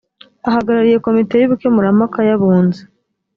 ahagarariye komite y’ubukemurampaka y’abunzi